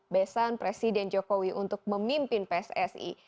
besan presiden jokowi untuk memimpin pssi